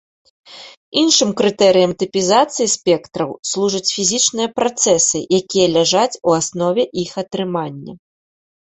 Іншым крытэрыем тыпізацыі спектраў служаць фізічныя працэсы, якія ляжаць у аснове іх атрымання.